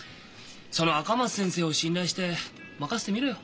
その赤松先生を信頼して任せてみろよ。